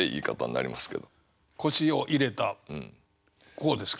こうですか。